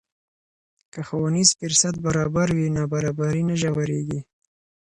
که ښوونیز فرصت برابر وي، نابرابري نه ژورېږي.